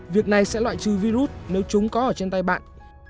việc này sẽ loại trừ virus nếu chúng có ở trên tay bạn